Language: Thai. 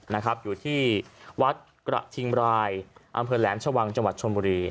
นะครับอยู่ที่วัดกระทิงรายอำเภอแหลมชะวังจังหวัดชนบุรี